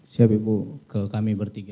siap ibu ke kami bertiga